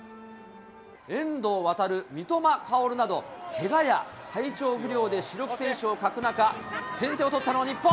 遠藤航、三笘薫など、けがや体調不良で主力選手を欠く中、先手を取ったのは日本。